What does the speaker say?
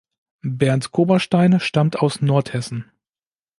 Bernd Koberstein stammt aus Nordhessen.